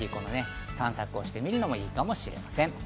散策してみるのもいいかもしれません。